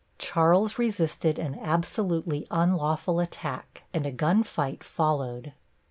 Charles resisted an absolutely unlawful attack, and a gun fight followed.